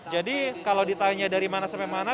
jadi kalau ditanya dari mana sampai mana